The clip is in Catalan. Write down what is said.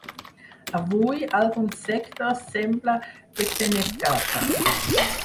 Avui, alguns sectors sembla que se n’escapen.